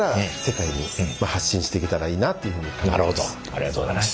ありがとうございます。